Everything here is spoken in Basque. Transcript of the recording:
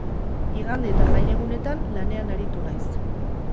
Igande eta jaiegunetan lanean aritu naiz.